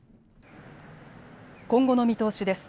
今後の見通しです。